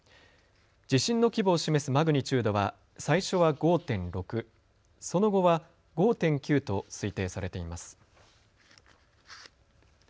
地震の規模を示すマグニチュードは最初は５．６、その後は５．９と推定されています。